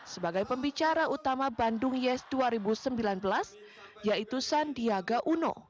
sebagai pembicara utama bandung yes dua ribu sembilan belas yaitu sandiaga uno